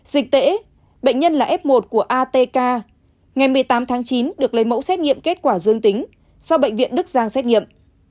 dịch tễ bệnh nhân là f một của atk ngày một mươi tám tháng chín được lấy mẫu xét nghiệm kết quả dương tính sau bệnh viện đức giang xét nghiệm